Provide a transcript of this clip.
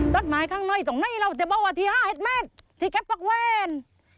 จัดหมายข้างน้อยตรงนี้เราจะบอกว่าที่ห้าเห็ดแม่นที่แก๊บพักแวน